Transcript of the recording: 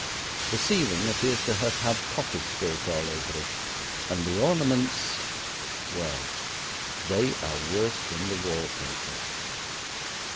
The ceiling appears to have had coffee spilt all over it, and the ornaments well, they are worse than the wallpaper.